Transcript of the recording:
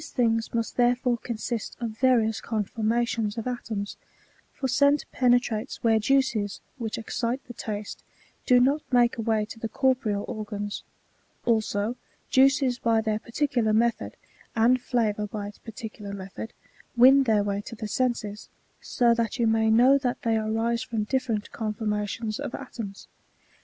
79 things must therefore consist of various conformations of atoms ; for scent penetrates where juices which excite the taste do not make a way to the corporeal organs ; also juices bj their particular method, and flavour bj its particular method, win their way to the senses ; so that you may know that they arise from different conformations of atoms.